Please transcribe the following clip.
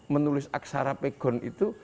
menulis aksara pegon itu